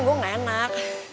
gua ga enak